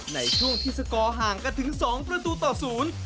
ในช่วงที่สกอร์ห่างกันถึงสองประตูต่อศูนย์